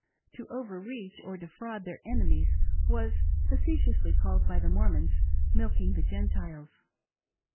To over reach or defraud their enemies was facetiously called by the Mormons " milking the Gentiles."